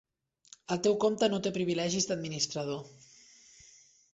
El teu compte no té privilegis d'administrador.